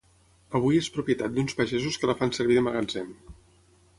Avui és propietat d'uns pagesos que la fan servir de magatzem.